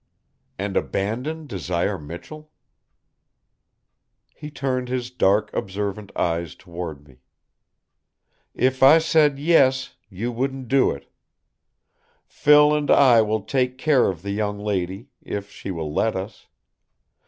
"And abandon Desire Michell?" He turned his dark observant eyes toward me. "If I said yes, you wouldn't do it. Phil and I will take care of the young lady, if she will let us.